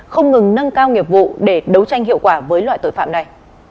không ngừng nâng cao nghiệp vụ để đấu tranh hiệu quả với loại tội phạm này